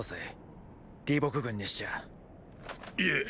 いえ